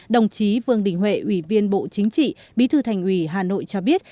đồng chí vương đình huệ ủy viên bộ chính trị bí thư thành ủy hà nội cho biết